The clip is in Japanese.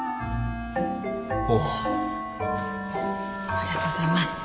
ありがとうございます。